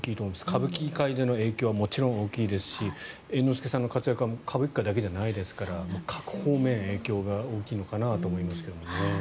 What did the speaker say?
歌舞伎界での影響はもちろん大きいですし猿之助さんの活躍は歌舞伎界だけじゃないですから各方面、影響が大きいのかなと思いますけどもね。